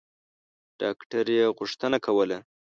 ډاکټر یې غوښتنه کوله.